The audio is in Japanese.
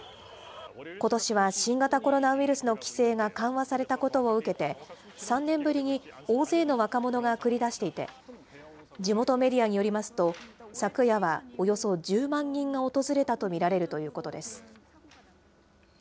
ことしは新型コロナウイルスの規制が緩和されたことを受けて、３年ぶりに大勢の若者が繰り出していて、地元メディアによりますと、昨夜はおよそ１０万人が訪れたと見られるということです。